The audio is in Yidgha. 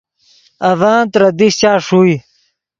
اڤن ترے دیشچا ݰوئے